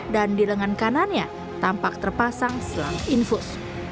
dan di lengan kanannya tampak terpasang selang infus